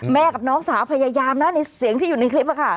กับน้องสาวพยายามนะในเสียงที่อยู่ในคลิปค่ะ